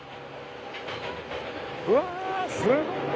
うわすごい！